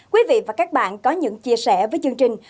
quý vị và các bạn có những chia sẻ với chương trình